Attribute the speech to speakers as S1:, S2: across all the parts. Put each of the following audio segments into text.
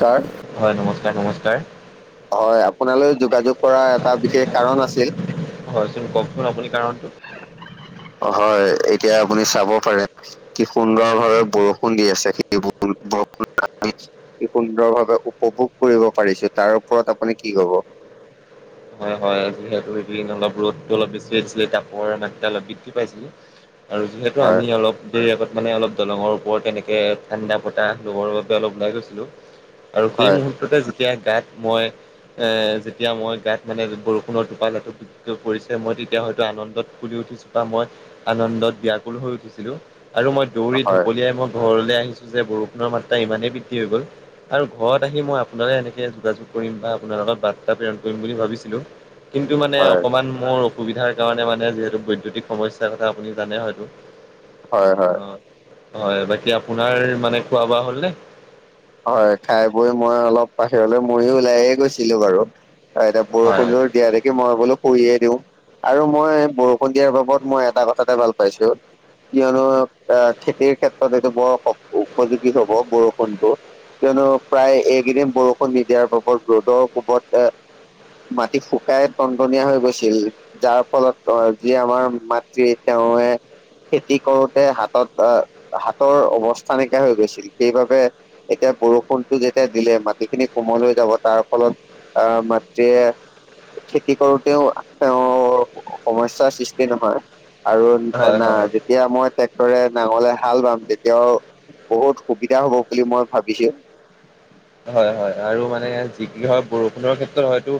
S1: Sir
S2: হয়, নমস্কাৰ নমস্কাৰ।
S1: হয় আপোনালৈ যোগাযোগ কৰাৰ এটা বিশেষ কাৰণ আছিল।
S2: হয়চোন কওকচোন আপুনি কাৰণটো
S1: হয় এতিয়া আপুনি চাব পাৰে কি সুন্দৰভাৱে বৰষুণ দি আছে সেই বৰষুণ সুন্দৰভাৱে উপভোগ কৰিব পাৰিছো তাৰ ওপৰত আপুনি কি কব? [inaudible]
S2: হয় হয় যিহেতু সেইদিন অলপ ৰ'দটো অলপ বেছি হৈছিলে তাপৰ মাত্ৰটো অলপ বৃদ্ধি পাইছিলে। আৰু যিহেতু
S1: হয়
S2: আমি অলপ দেৰি আগ মানে অলপ দলঙৰ ওপৰত তেনেকে ঠাণ্ডা বতাহ লগৰ বাবে অলপ ওলাই গৈছিলো। আৰু সেই
S1: হয়
S2: মুহূৰ্ততে যেতিয়া গাত মই এ যেতিয়া মই গাত মানে বৰষুণৰ টোপালটো কে পৰিছে মই তেতিয়া হয়তো আনন্দত ফুলি উঠিছো বা মই আনন্দ ত বিয়াকুল হৈ উঠিছিলো আৰু মই দৌৰি
S1: হয়
S2: ঢকলিয়াই মই ঘৰলৈ আহিছিলো। বৰুৰ মাত্ৰা ইমানে বদ্ধি হৈ গল আৰু ঘৰত আহি মই আপোন এনেকে যোগা কৰিম বা আ লগত বাত্ৰা প্ৰেৰণ কৰিম বুলি ভাবিছিলো। কিন্তু মানে
S1: হয়
S2: অকমান মোৰ সুবিধাৰ কাৰণে মানে যিহেতু বৈদ্যূতিক সমস্যাৰ কথা আপুনি জানে হয়তো।
S1: হয়, হয়।
S2: অ' হয় বাকী আপোনাৰ মানে খোৱা বোৱা হ'লনে?
S1: হয় খাই বৈ মই অলপ বাহিৰলৈ ময়ো ওলাইে গৈছিলো বাৰু। অ', এতিয়া
S2: হয় হয়
S1: বৰষুণো দিয়া থাক মই বোলো কৰিয়ে দিওঁ আৰু মই বৰষুণ দিয়াৰ বাবদ মই এটা কথাতে ভাল পাইছো। কিয়নো অহ খেতিৰ ক্ষেত্ৰত এইটো বৰ উপযোগী হ'ব বৰষুণটো। কিয়নো প্ৰায় এইকেইদিন বৰষুণ নিদিয়াৰ বাবদ ৰ'দৰ কুবত এ মাটি শুকাই টনটনীয়া হৈ গৈছিল যাৰ ফলত অহ যি আমাৰ মাতৃ এতিয়া [inaudible] খেতি কৰোতে হাতত আহ হাতৰ অৱস্থা এনেকিয়া হৈ গৈছিল। সেইবাবে এতিয়া বৰষুণতটো যেতিয়া দিলে মাটিখিনি কোমল হৈ যাব। তাৰ ফলত আই মাতৃয়ে খেতি কৰোতেও তেওঁ সমস্যাৰ সৃষ্টি নহয়। আৰু
S2: হয় হয়
S1: যেতিয়া মই টেক্টৰ নাঙলে হাল বাম তেতিয়াও বহুত সুবিধা হ'ব বুলি মই ভাবিছো।
S2: হয় হয় আৰু মানে যি কি হক বৰষুণৰ ক্ষেত্ৰত হয়তো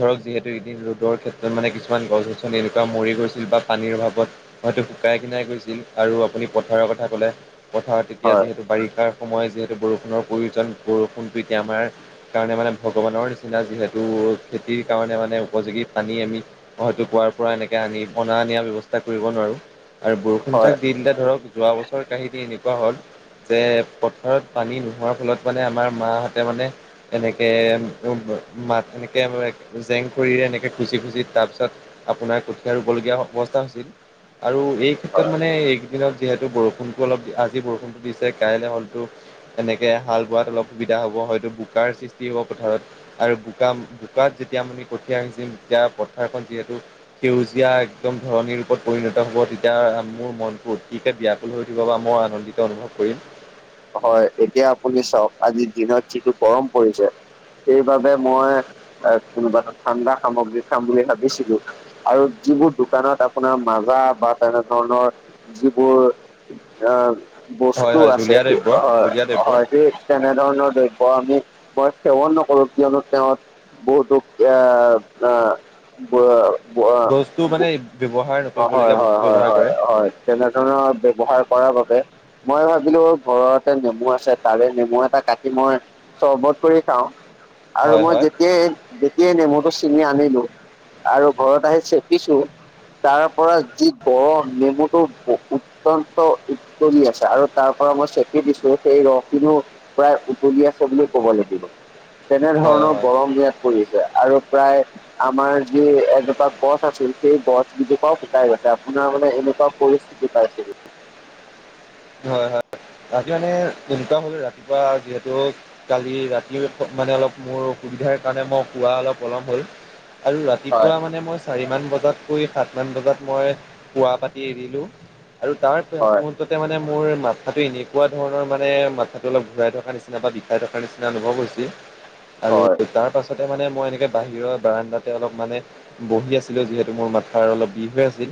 S2: ধৰক যিহেতু এদিন ৰ'দৰ ক্ষেত্ৰত মানে কিছুমান গছ গছনি এনেকুৱা মৰি গৈছিল। বা পানীৰ অভাৱত হয়তো শুকাই কিনাই গৈছিল আৰু আপুনি পথাৰৰ কথা ক'লে। পথাৰত এতিয়া
S1: হয়
S2: যিহেতু বাৰিষাৰ সময়ত যিহেতু বৰষুণৰ প্ৰয়োজন। বৰষুণ এতিয়া আমাৰ কাৰণে মানে ভগৱানৰ নিচিনা যিহেতু খেতিৰ কাৰণে মানে উপযোগী পানী। আমি হয়তো কুৱাৰ পৰা এনেকে আনি নিয়া দিয়াৰ ব্যৱস্থা কৰিব নোৱাৰো। আৰু বৰষুণ জাক
S1: হয়
S2: দি দিলে ধৰক যোৱা বছৰ কাঁহি দি নি হ'ল যে পথাৰত পানী নোহোৱাৰ ফলত মানে আমাৰ মাহ তাৰ মানে এনেকে মাত এনেকৈ জেং খৰিৰে এনেকৈ খুচি খুচি তাৰপিছত আপোনাৰ কঠীয়া ৰুবলগীয়া অৱস্থা হৈছিল আৰু এই ক্ষেত্ৰত মানে এইকেইদিনত যিহেতু বৰষুণতো অলপ আজি বৰষুনতো দিছে কাইলৈ হয়তো এনেকে হাল বোৱাত অলপ সুবিধা তেতিয়া হ'ব হয়তো বোকাৰ সৃষ্টি হ'ব পথাৰত আৰু বোকা বোকাত যেতিয়া মানে কঠীয়া আনিছিল তেতিয়া পথাৰখন যিহেতু সেউজীয়া একদম ধৰণী ৰূপত পৰিণত হ'ব। তেতিয়া মোৰ মনটোত তেতিয়া ব্যাকুল হৈ উঠিব বা মই আনন্দিত অনুভৱ কৰিম।
S1: হয় এতিয়া আপুনি চাওক আজিৰ দিনত যিটো গৰম পৰিছে। সেইবাবে মই কোনোবা এটা ঠাণ্ডা সামগ্ৰী খাম বুলি ভাবিছিলো। আৰু যিবোৰ দোকানত আপোনাৰ মাজা বা তেনে ধৰণৰ যিবোৰ অ',
S2: হয়
S1: বস্তু
S2: হয়
S1: আছে
S2: জুলীয়া
S1: কি
S2: দ্ৰব্য
S1: হয়,
S2: জুলীয়া দ্ৰব্য
S1: হয়, সেই তেনেধৰণৰ দ্ৰব্য আমি মই সেৱন নকৰোঁ কিয়নো তেওঁ বহুতো আ, আ,
S2: বস্তু মানে ব্যৱহাৰ
S1: অ', হয়,
S2: নকৰিবলগীয়া বস্তু
S1: হয়, হয়,
S2: ব্যৱহাৰ
S1: হয়,
S2: কৰে
S1: হয় তেনেধৰণৰ ব্যৱহাৰ কৰাৰ বাবে। মই ভাবিলো ঘৰতে নেমু আছে তাৰে নেমু এটা কাটি মই চৰ্বত কৰি খাওঁ। আৰু
S2: হয়
S1: মই
S2: হয়
S1: যেতিয়াই যেতিয়াই নেমুটো চে চিঙি আনিলোঁ আৰু ঘৰত আহি চেপিছো তাৰ পৰা যি গৰম নেমুটো অত্যন্ত উত্তলি আছে আৰু তাৰ পৰা মই চেপি দিছো, সেই ৰসখিনোও প্ৰায় উতলি আছে বুলি ক'ব লাগিব।
S2: হয়
S1: তেনেধৰণৰ
S2: হয়
S1: গৰম ইয়াত পৰিছে আৰু প্ৰায় আমাৰ যি এজোপা গছ আছিল সেই গছ গছজোপাও শুকাই গৈছে আপোনাৰ মানে এনেকুৱা পৰিস্থিতি পাইছে
S2: হয়, হয়, হয় ৰাতি মানে ইনকাম হলো ৰাতিপুৱা যিহেতু কালি ৰাতি মানে অলপ মোৰ অসুবিধাৰ কাৰণে মই শুৱা অলপ অলপ হ'ল আৰু ৰাতি
S1: হয়
S2: পূৱা মানে চাৰি মান বজাত তাত শুই সাত বজাত মই পুৱা পাতি এৰিলো আৰু তাৰ পিছ
S1: হয়
S2: মুহূৰ্ত মানে মোৰ মাথাটো এনেকুৱা ধৰণৰ মানে মাথাটো অলপ ঘূৰাই থকাৰ নিচিনা বা বিষাই থকাৰ নিচিনা অনুভৱ হৈছে। আৰু
S1: হয়
S2: তাৰ পাছতে মানে মই এনেকে বাহিৰৰ বাৰাণ্ডাতে অলপ মানে বহি আছিলো যিহেতু মোৰ মাথাাৰ অলপ বিষ হৈ আছিল।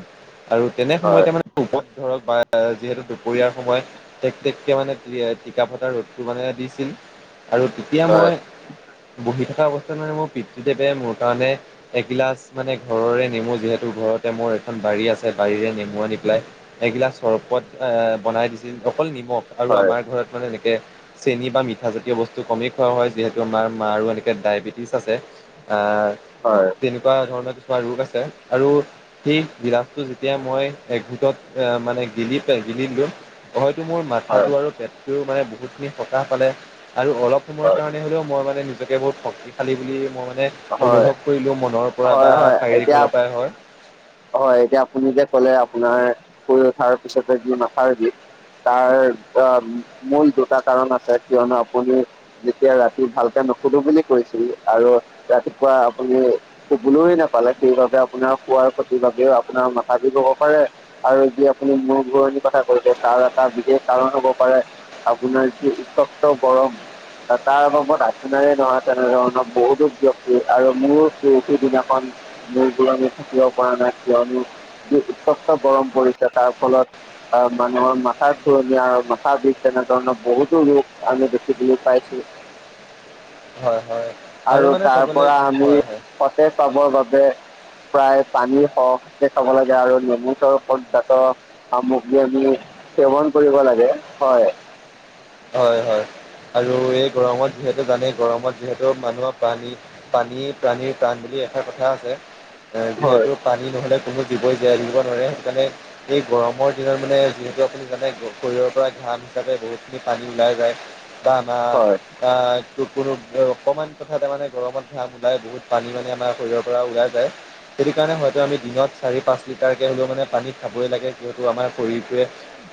S2: আৰু তেনে
S1: হয়
S2: সময়তে মানে ৰূপৰত ধৰক বা যিহেতু সময়ত টেক টেক কে মানে টিকা ফটা ৰ'দটো মানে দিছিল। আৰু তেতিয়া
S1: হয়
S2: মই বহি থাকোঁ থকা অৱস্থা মানে মোৰ পিতৃ দেৱে মোৰ কাৰণে এগিলাচ মানে ঘৰৰে নেমু যিহেতু ঘৰতে মোৰ এখন বাৰী আছে বাৰীৰে নেমু আনি পেলাই এগিলাছ চৰ্বত এ বনাই দিছিল অকল নিমখ আৰু
S1: হয় হয়
S2: আমাৰ ঘৰত মানে এনেকে চেনি বা মিঠা জাতীয় বস্তু কমেই খোৱা হয় যিহেতু আমাৰ মাৰো এনেকে ডায়বেটিছ আছে আ,
S1: হয়
S2: তেনেকুৱা ধৰণৰ ৰোগ আছে আৰু সেই গিলাচটো যেতিয়া মই এক ঘোটত মানে গিলি গিলি দিলো হয়তো মোৰ
S1: হয়
S2: মাথাটো আৰু পেটটো মানে বহুত খিনি সকাহ পালে। আৰু অলপ সময়ৰ কাৰণে হলেও মই মানে নিজকে বহুত শক্তিশালী বুলি মই মানে অনুভৱ কৰিলোঁ মনৰ পৰা
S1: হয় হয়
S2: বা
S1: হয়
S2: শাৰীৰিক
S1: এতিয়া
S2: ফালৰ পৰাই হয়।
S1: হয় এতিয়া আপুনি যে কলে আপোনাৰ শুই উঠাৰ পিছতে যি মাথাৰ বিষ তাৰ মূল দুটা কাৰণ আছে কিয়নো আপুনি যেতিয়া ৰাতি ভালকে নুশুধো বুলি কৈছিল আৰু ৰাতিপুৱা আপুনি শুবলৈয়ে নাপালে সেইবাবে আপোনাৰ শুৱাৰ বাবেও আপোনাৰ মাথা বিষ হব পাৰে, আৰু যি আপুনি মূৰ ঘুৰণিৰ কথা কৈছে তাৰ এটা বিশেষ কাৰণ হব পাৰে আপোনাৰ যি উচক্ত গৰম তাৰ লগত আপোনাৰেই নহয় তেনেধৰণৰ বহুতো ব্যয়ক্তি আৰু মোৰ প'ৰখি দিনাখন মোৰ ঘূৰণি থাকিব পৰা নাই কিয়নো যি উৎকষ্ট গৰম পৰিছে তাৰ ফলত আ, মানুহৰ মাথা ধণি আৰু মাথা বিষ তেনেধৰণৰ বহুতো ৰোগ আমি দেখিবলৈ পাইছো। [inaudible]
S2: হয়, হয়,
S1: আৰু
S2: মানে
S1: তাৰ
S2: চাবলে
S1: পৰা আমি
S2: হয় হয়
S1: সতেজ পাবৰ বাবে প্ৰায় পানী সহকে খাব লাগে আৰু নেমু চৰ্বত [unintelligible] সামগ্ৰী আনি সেৱন কৰিব লাগে হয়।
S2: হয়, হয়, আৰু এই গৰমত যিহেতু জানে গৰমত যিহেতু মানুহৰ পানী, পানী প্ৰানীৰ প্ৰাণ বুলি এটা কথা আছে,
S1: হয়
S2: যিহেতু পানী নহলে কোনো দিবই যায় দিব নোৱাৰে, সেইকাৰণে এই গৰমৰ দিনত মানে যিহেতু আপুনি জানে শৰীৰৰ পৰা ঘান াতে বহুতখিনি পানী ওলাই যায়, বা আম
S1: হয়
S2: আহ ত কোনো অকমান কথাতে মানে গৰমত ঘাম ওলাই বহুত পানী মানী আমাৰ শৰীৰৰ পৰা ওলাই যায়। সেইটো কাৰণে হয়তো আমি দিনত চাৰি পাঁচ লিটাৰকে হ'লেও মানে পানীত খাবই লাগে যিহেতু আমাৰ শৰীৰটোৱে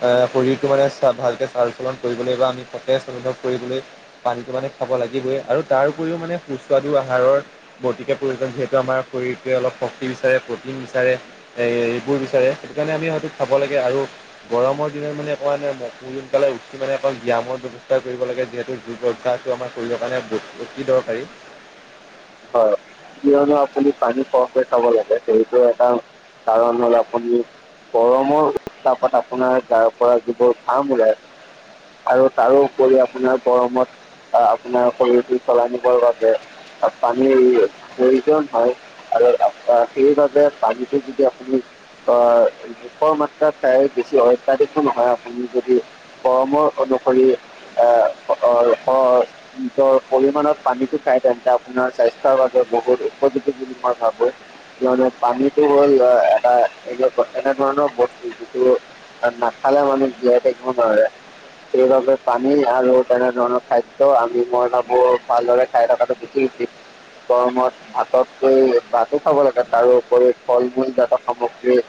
S2: এ শৰীৰতটো মানে চ ভালকে চাৰ কৰিবলৈ বা আমি সতেজ অনুভৱ কৰিবলৈ, পানীটো পানী খাব লাগিবই আৰু তাৰ উপৰিও মানে সুস্বাদ আহাৰৰ, অতিকে প্ৰয়োজন যিহেতু আমাৰ শৰীৰটোৱে অলপ শক্তি বিচাৰে প্ৰটিন বিচাৰে। এইবোৰ বিচাৰে সেইটো কাৰণে আমি হয়তো খাব লাগে, আৰু গৰমৰ দিনত মানে কোৱা ন ম সোনকালে উ মানে অকল ব্যায়ামৰ ব্য্ৱস্থা কৰিব লাগে যিহেতু যোগ অভ্যাসটো আমাৰ কৰিবৰ কাৰণে অতি দৰকাৰী।
S1: হয়, কিয়নো আপুনি পানী পৰকে খাব লাগে সেইটো এটা কাৰণ মানে আপুনি। গৰমৰ্তাপত আপোনাৰ গাৰ পৰা যিবোৰ ফাৰ্ম ওলাই। আৰু তাৰো উপৰি আপোনাৰ গৰমত আপোনাৰ শৰীৰটো চলাই নিবৰ বাবে পানীৰ প্ৰয়োজন হয়, আৰু সেইবাবে পানীটো যদি আপুনি ভূপৰ মাত্ৰা, প্ৰায় বেছি অত্যাধিকো নহয় আপুনি যদি গৰমৰ অনু, আহ নিজৰ পৰিমণত পানীটো খাই তেন্ত আপোনাৰ স্বাস্থ্যৰ বাবে বহুত উপযোগী বুলি মই ভাবো। মানে পানীতটো হ'ল এটা এইবিলাক, এনে ধৰণৰ বস্তু যিটো আৰু নাখালে মানুহ যিয়াই থাকিব নোৱাৰে। সেইবাবেই পানী আৰু তেনে ধৰণৰ খাদ্য আমি মই ভাবো ভালদৰে খাই থকাটো বেছি িক [inaudible] গৰমত ভাততকৈ ভাতো খাব লাগে তাৰোপৰি ফল মূল জাতক সামগ্ৰী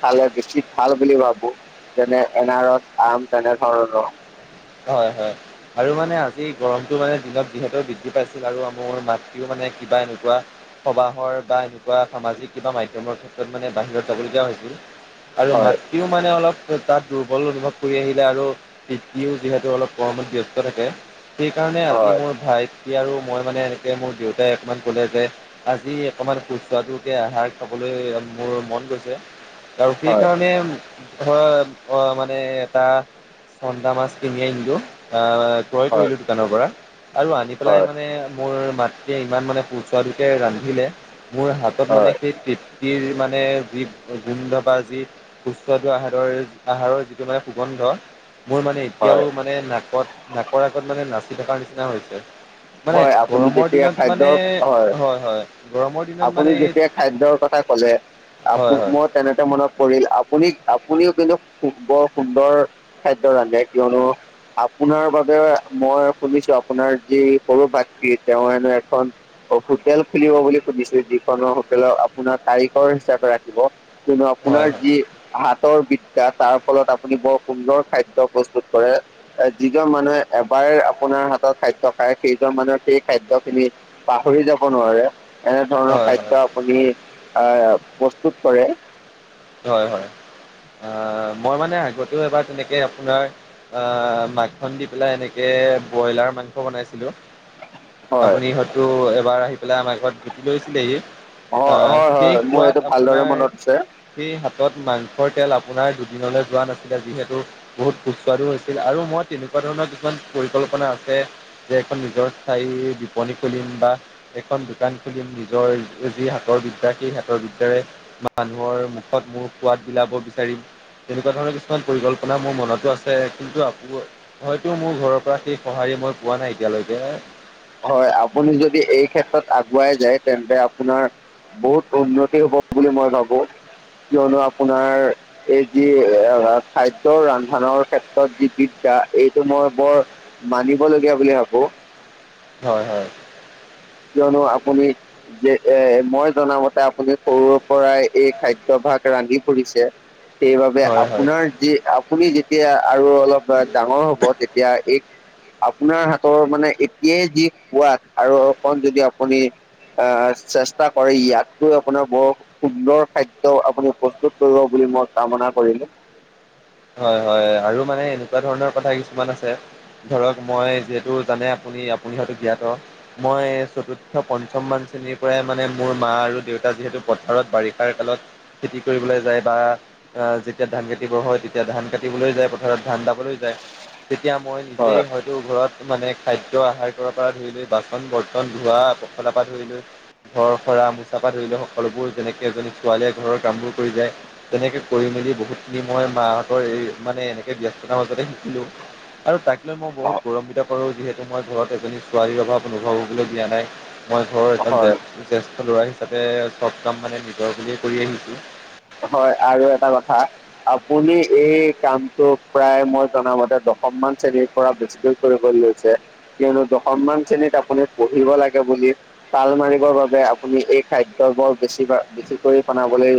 S1: চালে বেছি ভাল বুলি ভাবো, যেনে এন আৰছ আম তেনেধৰণৰ।
S2: হয় হয়, আৰু মানে আজি গৰমতটো মানে দিনত যিহেতু বৃদ্ধি পাইছিল আৰু মোৰ মাতৃও মানে ে কিবা এনেকুৱা [inaudible] সবাহৰ বা এনেকুৱা সামাজিক কিবা মাধ্্যমৰ ক্ষেত্ৰত মানে বাহিৰত যাবলগীয়া হৈছিল। আৰু
S1: হয়
S2: মাতৃও মানে অলপ তাত দুৰ্বল অনুভৱ কৰি আহিলে আৰু পিতৃও যিহেতু অলপ কামত ব্যস্ত থাকে, সেইকাৰণে আজি
S1: হয়
S2: মোৰ ভাইটি আৰু মই মানে এনেকে মোৰ দেউতাই অকমান ক'লে যে, আজি অকণমান খুচটো আহাৰ খাবলৈ মোৰ মন গৈছে। আৰু
S1: হয়
S2: সেইকাৰণে, ধৰ অ' মানে, এটা চন্দা মাছ কিনি আনিলো আহ।
S1: হয়
S2: কৰিলো দোকানৰ পৰা, আৰু আনি পেলাই
S1: হয়
S2: মানে মোৰ মাতৃয়ে ইমান মানে সুস্বাদুকে ৰান্ধিলে, মোৰ হাতত মানে
S1: হয়
S2: সেই তৃপ্তিৰ মানে যি গোন্ধ বা যি সুস্বাদু আহাৰৰ আহাৰৰ যিটো মানে সুগন্ধ। মোৰ মানে এতিয়াও
S1: হয়
S2: মানে নাকত নাকৰ আগত মানে নাচি থকাৰ নিচিনা হৈছে। মানে
S1: হয় আপুনি
S2: গৰমৰ
S1: যেতিয়া
S2: দিনত
S1: খাদ্য
S2: মানে, হয় হয় গৰমৰ দিনত
S1: আপুনি
S2: মানে এই
S1: যেতিয়া খাদ্যৰ কথা কলে, আপ
S2: হয় হয়
S1: মই তেনেতে মনত পৰিল আপুনি আপুনিও কিন্তু, বৰ সুন্দৰ, খাদ্য ৰান্ধে কিয়নো আপোনাৰ বাবে মই শুনিছো আপোনাৰ যি সৰু বাকি, তেওঁ এনো এখন হোটেল খুলিব বুলি শুনিছো যিখনৰ হোটেলত আপোনাৰ তাৰিখৰ হিচাপে ৰাখিব। কনো
S2: হয়
S1: আপোনাৰ যি হাতৰ বি তাৰ ফলত আপুনি বৰ সুন্দৰ খাদ্য প্ৰস্তুত কৰে, যিজন মানুহে এবাৰ আপোনাৰ হাতত খাদ্য খায় সেইজন মানুহে, সেই খাদ্য খিনি পাহৰি যাব নোৱাৰে। এনেধৰণৰ
S2: হয় হয় হয়।
S1: খাদ্য আপুনি, আহ প্ৰস্তুত কৰে।
S2: হয় হয়, আহ মই মানে আগতেও এবাৰ তেনেকে আপোনাৰ আ মাকখন দি পেলাই এনেকে ব্ৰইলাৰ মাংস বনাইছিলো।
S1: হয়
S2: আপুনি হয়তো এবাৰ আহি পেলাই আমাৰ ঘৰত জুতি লৈছিলেহি
S1: হয়
S2: আহ
S1: হয়
S2: সেই
S1: হয় মোৰ
S2: খোৱাত
S1: এইটো ভালদৰে
S2: আপোনাৰ
S1: মনত আছে
S2: সেই হাতত মাংসৰ তেল আপোনাৰ দুদিনলৈ যোৱা নাছিলে। যিহেতু বহুত সুস্বাদু হৈছিল আৰু মই এনেকুৱা ধৰণৰ কিছুমান পৰিকল্পনা আছে যে এখন নিজৰ স্থায়ী বিপনী খুলিম বা এখন দোকান খুলিম নিজৰ যি হাতৰ বিদ্যা সেই হাতৰ বিদ্যাৰে মানুহৰ ত, মোৰ সোৱাদ বিলাক বিচাৰিম। তেনেকুৱা ধৰণৰ কিছুমান পৰিকল্পনা মোৰ মনতো আছে। কিন্তু হয়তো মোৰ ঘৰৰ পৰা সেই সহায় মই পোৱা নাই এতিয়ালৈকে
S1: হয়। আপুনি যদি এই ক্ষেত্ৰত আগুৱাই যায় তেন্তে আপোনাৰ বহুত উন্নতি হব বুলি মই ভাবো কিয়নো আপোনাৰ এই যি খাদ্য ৰন্ধনৰ ক্ষেত্ৰত যি বিদ্ধ এইটো মই বৰ মানিবলগীয়া বুলি ভাবো
S2: হয় হয়
S1: কিয়নো আপুনি যে এ মই জনামতে আপুনি সৰুৰ পৰাই এই খাদ্যয় ভাগ ৰান্ধি পৰিছে সেইবাবে
S2: হয় হয়
S1: আপোনাৰ যি আপুনি যেতিয়া আৰু অলপ ডাঙৰ হ'ব তেতিয়া এই আপোনাৰ হাতৰ মানে এতিয়াই যি সোৱাদ আৰু যদি আপুনি আহ চেষ্টা কৰে ইয়াতকৈ আপোনাৰ বৰ সুন্দৰ খাদ্য আপুনি প্ৰস্তুত কৰিব বুলি মই কামনা কৰিলো
S2: হয় হয় আৰু মানে এনেকুৱা ধৰণৰ কথা কিছুমান আছে ধৰক মই যিহেতু জানে আ মই্ৰ ম মোৰ মা আৰুতা [inaudible] যিহ পথাৰত বাৰিষাৰ কালত খেতি কৰিবলৈ যায় বা যেতিয়া ধান খেতি হয় তেতিয়া ধান কাটিবলৈ যায় পথাৰত ধান দাবলৈ যায় তেতিয়া মই নিজেই
S1: হয়।
S2: হয়তো ঘৰত মানে খাদ্য আহাৰ কৰাৰ পৰা ধৰি লৈ বাচন বৰ্তন ধোৱা পখলাৰ পৰা ধৰি লৈ ঘৰ সৰা মোচা ধৰি সকলোবোৰ যেনেকে এজনী ছোৱালীয়ে ঘৰৰ কাম বোৰ কৰি যায় তেনেকে কৰিম এই বহুতখিনি মই মাহঁতৰ এই মানে এনেকে ব্যস্ততাৰ মাজতে শিকিলো আৰু তাক লৈ মই বহুত গৌৰম্বিধ কৰোঁ যিহেতু মই ঘৰত এজনী ছোৱালীৰ অভাৱ অনুভৱ হ'বলৈ দিয়া নাই মই ঘৰৰ এজন
S1: হয়
S2: জ্যেষ্ঠ ল'ৰা হিচাপে চব কাম মানে নিজৰ বুলিয়ে কৰি আহিছোঁ
S1: হা আপুনি এই কামটো প্ৰায় মই জনামতে দশম মান শ্ৰেণীৰ পৰা বেছিকৈ কৰিব লাগি কিয়নো দশম মান শ্ৰেণীত আপুনি পঢ়িব লাগে বুলি তাল মাৰিব বাবে আপু এই খাদ্যবোৰ বেছি বা বেছি কৰি বনাবলৈ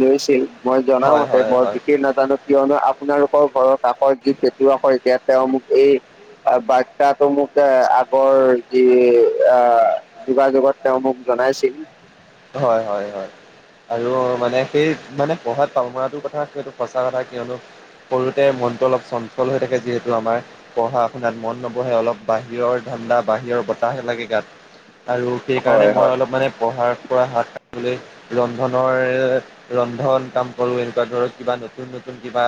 S1: লৈছিল মই জনাও
S2: হয়
S1: মতে
S2: হয়
S1: বৰ
S2: হয়
S1: বিশষ নাজানো কিয়নো আপোনাৰ ঘৰত কাষৰ গীত শিকোৱা হয় যেতিয়া তেওঁ মোক এই আৰু বাচ্ছাটো মোক আগৰ যি অ যোগাযোগত তেওঁ মোক জনাইছিলো
S2: হয় হয় হয় আৰু মানে সেই মানে পঢ়াত পাল মৰাটো কথাটো সঁচা কথা কিয়নো সৰুতে মনটো অলপ চঞ্চল হৈ থাকে যিহেতু আমাৰ পঢ়া-শুনাত মন নবহে অলপ বাহিৰৰ ধ ঠাণ্ডা বাহিৰৰ বতাহ আহি লাগে গাত আৰু সেইকাৰণে
S1: হয়
S2: মই
S1: হয়
S2: অলপ মানে পঢ়াৰ হাত সাৰিবলৈ ৰন্ধনৰ ৰন্ধন কাম কৰো এনেকুৱা ধৰক কিবা নতুন নতুন কিবা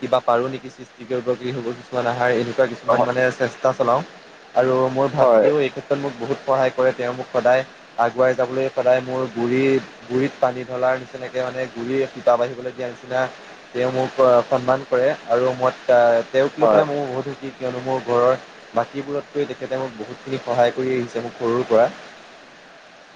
S2: কিবা পাৰো নেকি সৃষ্টি কৰিব কি হ'ব কিছুমান আহাৰ এই কিছুমান মানে চেষ্টা চলাও আৰু মোৰ
S1: হয়
S2: ভাতৃও এই ক্ষেত্ৰত মোক বহুত সহায় কৰে তেওঁ মোক সদায় আগুৱাই যাবলৈ সদায় মোৰ গুড় গুৰিত পানী ধলাৰ নিচিনাকৈ মানে গুৰি সূপা বাঢ়িবলৈ দিয়া নিচিনা তেওঁ মোক সন্মান কৰে আৰু মই তেওঁক লৈ
S1: হয়
S2: পেলাই মোৰ বহুত সুখী কিয়নো মোৰ ঘৰৰ মাটিবোৰতকৈ তেখেতে মোক বহুতখিনি সহায় কৰি আহিছে মোক সৰুৰ পৰা
S1: [inaudible]